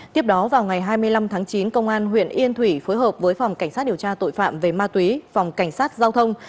tiếp đó vào ngày hai mươi năm tháng chín công an huyện yên thủy phối hợp với phòng cảnh sát điều tra tội phạm về ma túy phòng cảnh sát giao thông